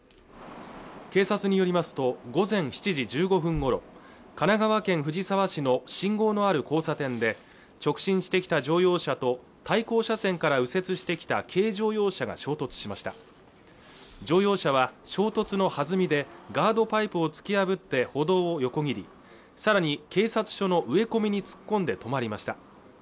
警察によりますと午前７時１５分ごろ神奈川県藤沢市の信号のある交差点で直進してきた乗用車と対向車線から右折してきた軽乗用車が衝突しました乗用車は衝突の弾みでガードパイプを突き破って歩道を横切りさらに警察署の植え込みに突っ込んで止まりました